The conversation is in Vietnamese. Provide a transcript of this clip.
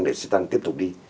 để xe tăng tiếp tục đi